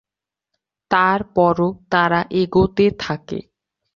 তার পরও তারা এগোতে থাকে।